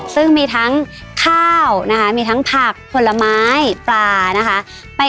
ซึ่งมีทั้งข้าวนะคะมีทั้งผักผลไม้ปลานะคะ